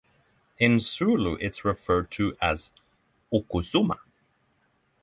In Zulu it is referred to as "okusoma".